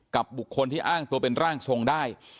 บุคคลที่อ้างตัวเป็นร่างทรงได้